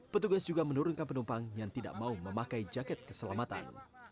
petugas juga menurunkan penumpang yang tidak mau memakai jaket keselamatan